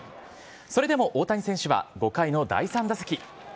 それでも大谷選手は５回の第３打席。